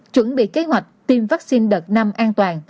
chuẩn bị kế hoạch tiêm vaccine đợt năm